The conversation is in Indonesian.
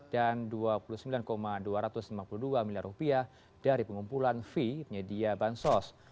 dan rp dua puluh sembilan dua ratus lima puluh dua miliar dari pengumpulan fi penyedia bansos